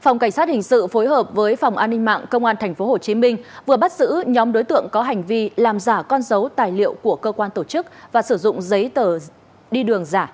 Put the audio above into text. phòng cảnh sát hình sự phối hợp với phòng an ninh mạng công an tp hcm vừa bắt giữ nhóm đối tượng có hành vi làm giả con dấu tài liệu của cơ quan tổ chức và sử dụng giấy tờ đi đường giả